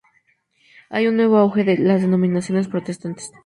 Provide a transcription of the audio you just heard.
Hay un nuevo auge de las denominaciones protestantes.